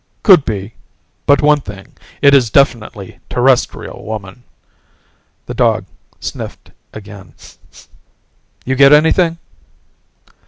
"Could be. But one thing: It is definitely Terrestrial woman." The dog sniffed again. "You get anything?"